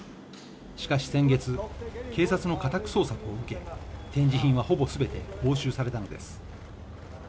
しかし先月警察の家宅捜索を受け展示品はほぼすべて押収されたのです